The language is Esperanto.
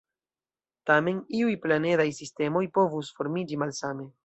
Tamen, iuj planedaj sistemoj povus formiĝi malsame.